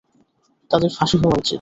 তাদের ফাঁসি হওয়া উচিত।